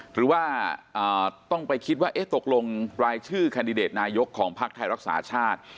หรือว่าต้องไปคิดว่าตกลงรายชื่อแคนดิเดตนายกของพักไทยรักษาชาติ